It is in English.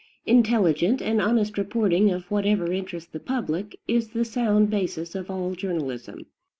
Intelligent and honest reporting of whatever interests the public is the sound basis of all journalism.